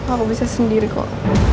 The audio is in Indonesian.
aku bisa sendiri kok